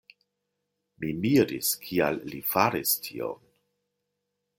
Mi miris, kial li faris tion.